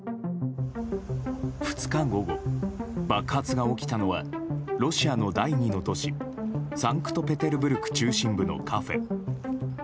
２日午後、爆発が起きたのはロシアの第２の都市サンクトペテルブルク中心部のカフェ。